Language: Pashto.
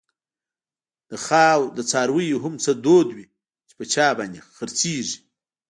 د څارویو هم څه دود وی، چی په چا باندي خر څیږی